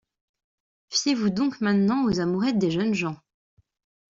Fiez-vous donc maintenant aux amourettes des jeunes gens !